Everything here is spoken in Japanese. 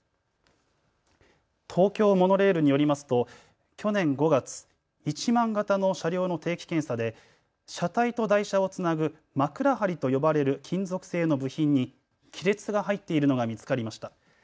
東京モノレールによりますと去年５月、１００００形の車両の定期検査で車体と台車をつなぐ枕梁と呼ばれる金属性の部品に亀裂が入っているのが見つかりました。